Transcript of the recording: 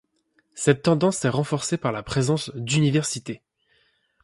Cette tendance s'est renforcée par la présence d'Universités.